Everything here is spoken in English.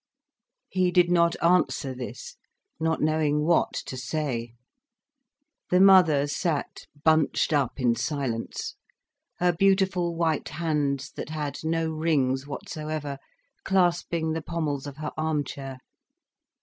He did not answer this, not knowing what to say. The mother sat bunched up in silence, her beautiful white hands, that had no rings whatsoever, clasping the pommels of her arm chair.